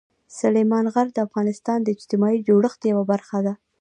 سلیمان غر د افغانستان د اجتماعي جوړښت یوه برخه ده.